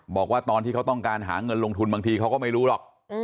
บอกว่าตอนที่เขาต้องการหาเงินลงทุนบางทีเขาก็ไม่รู้หรอก